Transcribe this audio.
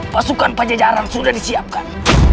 pasukan panjajaran sudah disiapkan